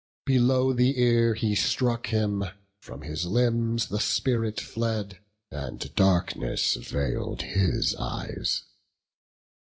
Below the ear he struck him; from his limbs The spirit fled, and darkness veil'd his eyes.